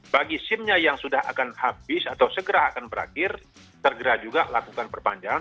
bagi simnya yang sudah akan habis atau segera akan berakhir tergerak juga lakukan perpanjangan